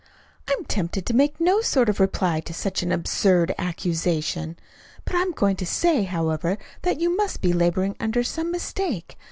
"I am tempted to make no sort of reply to such an absurd accusation; but I'm going to say, however, that you must be laboring under some mistake.